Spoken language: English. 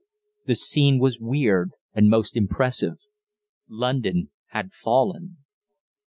The scene was weird and most impressive. London had fallen.